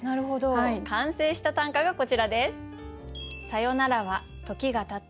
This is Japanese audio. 完成した短歌がこちらです。